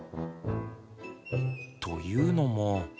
というのも。